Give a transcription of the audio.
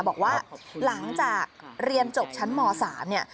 บอกว่าหลังจากเรียนจบชั้นม๓เนี่ย